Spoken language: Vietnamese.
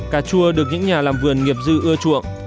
cà chua được những nhà làm vườn nghiệp dư ưa chuộng